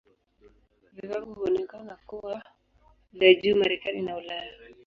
Viwango huonekana kuwa vya juu Marekani na Ulaya.